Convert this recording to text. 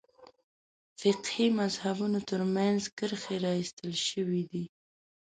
فقهي مذهبونو تر منځ کرښې راایستل شوې دي.